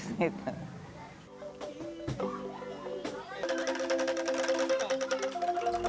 itu yang harus kita lakukan